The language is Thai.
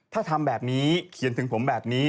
ถ้าทำแบบนี้เขียนถึงผมแบบนี้